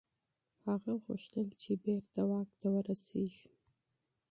هغه غوښتل چي بیرته واک ته ورسیږي.